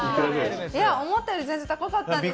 思ったより高かったんです。